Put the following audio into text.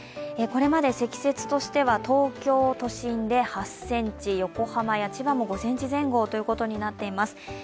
これまで積雪としては東京都心で８ｃｍ、横浜や千葉も５ｃｍ前後となっています。